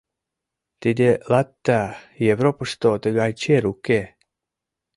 Тиде — латта, Европышто тыгай чер уке.